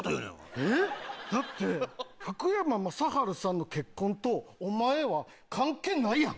えっ⁉だって福山雅治さんの結婚とお前は関係ないやん。